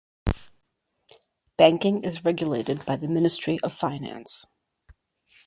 Banking is regulated by the Ministry of Finance.